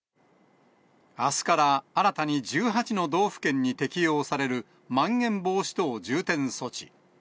あすから新たに１８の道府県に適用されるまん延防止等重点措置。